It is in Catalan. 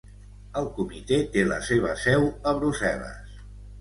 El Comitè té la seva seu a Brussel·les.